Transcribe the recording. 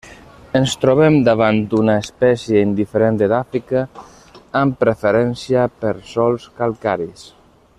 Ens trobem davant una espècie indiferent edàfica, amb preferència per sòls calcaris.